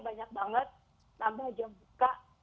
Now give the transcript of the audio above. banyak banget nambah jam buka